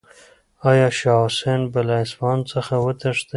آیا شاه حسین به له اصفهان څخه وتښتي؟